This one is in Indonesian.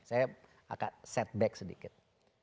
saya akan setback sedikit